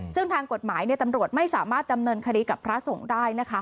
ซึ่งทางกฎหมายตำรวจไม่สามารถดำเนินคดีกับพระสงฆ์ได้นะคะ